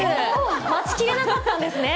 待ちきれなかったんですね。